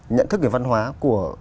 nhận thức về văn hóa của